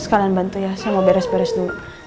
sekalian bantu ya saya mau beres beres dulu